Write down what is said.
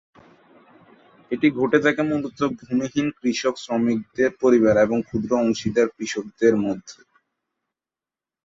এটি ঘটে থাকে মূলত ভূমিহীন কৃষক শ্রমিকের পরিবার এবং ক্ষুদ্র অংশীদার কৃষকদের মধ্যে।